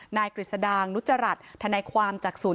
นายกฤษดางนุจจรรย์ทันายความจากศูนย์